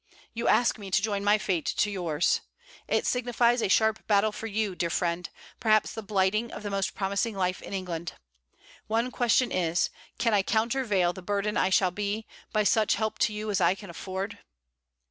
You ask me to join my fate to yours. It signifies a sharp battle for you, dear friend; perhaps the blighting of the most promising life in England. One question is, can I countervail the burden I shall be, by such help to you as I can afford?